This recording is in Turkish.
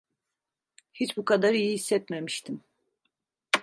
Hiç bu kadar iyi hissetmemiştim.